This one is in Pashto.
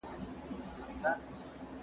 اټکل وکړه.